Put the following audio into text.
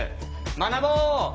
学ぼう！